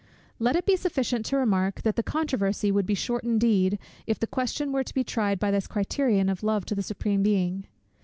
Let it be sufficient to remark, that the controversy would be short indeed, if the question were to be tried by this criterion of love to the Supreme Being.